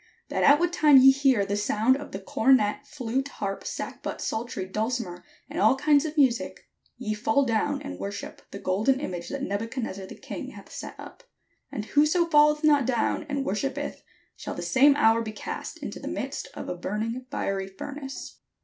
That at what time ye hear the sound of the cornet, flute, harp, sackbut, psaltery, dulcimer, and all kinds of music, ye fall down and worship the golden image that Nebuchadnezzar the king hath set up : and whoso f alleth not down and wor shippeth shall the same hour be cast into the midst of a burning fiery furnace."